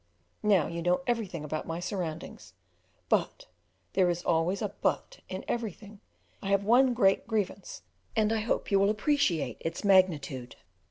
Now you know everything about my surroundings; but there is always a but in everything I have one great grievance, and I hope you will appreciate its magnitude.